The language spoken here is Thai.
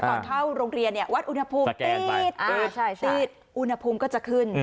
ก่อนเข้าโรงเรียนวัดอุณหภูมิตีดอุณหภูมิก็จะขึ้น